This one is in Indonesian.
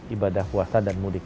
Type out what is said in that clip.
ibadah puasa dan mudik